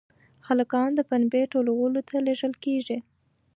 هلکان د پنبې ټولولو ته لېږل کېږي.